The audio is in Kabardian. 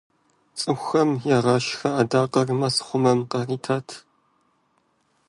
ЦӀыкӀухэм ягъашхэ адакъэр мэзхъумэм къаритат.